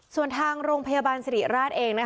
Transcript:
ส่วนทางโรงพยาบาลสิริราชเอง